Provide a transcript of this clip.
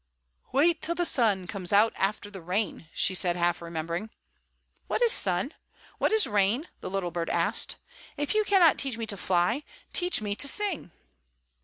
"Wait till the sun comes out after rain," she said, half remembering. "What is sun? What is rain?" the little bird asked. "If you cannot teach me to fly, teach me to sing."